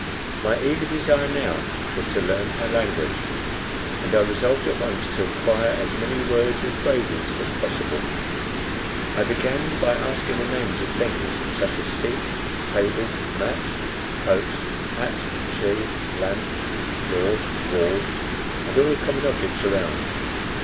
My eager desire now was to learn her language, and I resolved at once to acquire as many words and phrases as possible. I began by asking the names of things, such as "seat," "table," "mat," "coat," "hat," "shoe," "lamp," "floor," "wall," and all the common objects around.